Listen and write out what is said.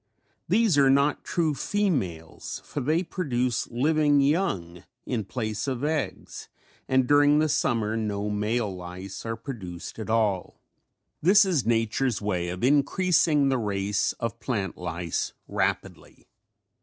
These are not true females for they produce living young in place of eggs and during the summer no male lice are produced at all. This is nature's way of increasing the race of plant lice rapidly.